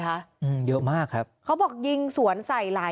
พวกมันต้องกินกันพี่